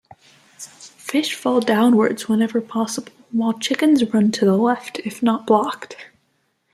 Fish fall downwards whenever possible, while chickens run to the left if not blocked.